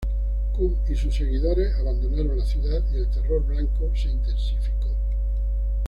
Kun y sus seguidores abandonaron la ciudad y el Terror Blanco se intensificó.